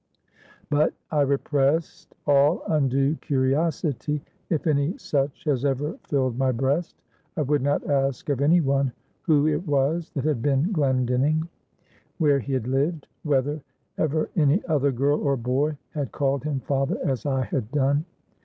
But I repressed all undue curiosity, if any such has ever filled my breast. I would not ask of any one, who it was that had been Glendinning; where he had lived; whether, ever any other girl or boy had called him father as I had done.